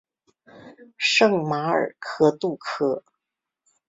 圣马尔克杜科。